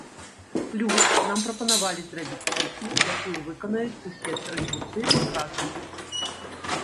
Плюс, нам прапанавалі зрабіць песню, якую выканаюць усе тры гурты разам.